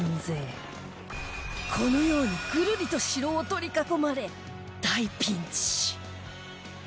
このようにぐるりと城を取り囲まれ大ピンチ